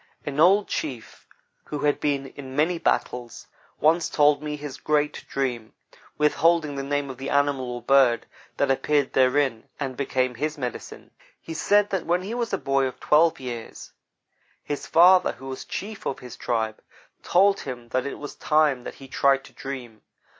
An old chief, who had been in many battles, once told me his great dream, withholding the name of the animal or bird that appeared therein and became his "medicine." He said that when he was a boy of twelve years, his father, who was chief of his tribe, told him that it was time that he tried to dream.